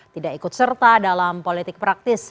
tidak ikut serta dalam politik praktis